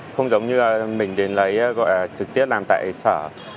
không giống như mình đến lấy gọi trực tiếp làm tại sở